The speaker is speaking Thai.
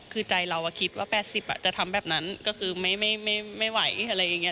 คือใจเราคิดว่า๘๐จะทำแบบนั้นก็คือไม่ไหวอะไรอย่างนี้